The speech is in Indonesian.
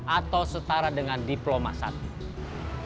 atau setara dengan diplomatik dan pekerjaan lapangan yang lebih baik dari kota ini